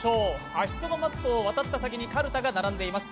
足つぼマットを渡った先にカルタが並んでいます。